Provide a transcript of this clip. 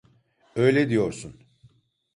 Öyle diyorsun.